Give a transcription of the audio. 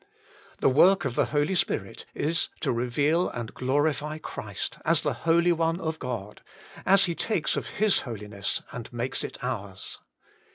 The work of the Holy Spirit is to reveal and glorify Christ as the Holy One of God, as He takes of His Holiness and makes it ours.